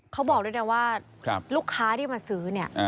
เขาบอกด้วยนะว่าลูกค้าที่มาซื้อเนี่ย